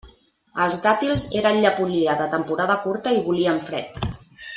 Els dàtils eren llepolia de temporada curta i volien fred.